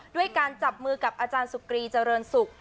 ด้วยการจับมือกับอาจารย์สุกรีเจริญศุกร์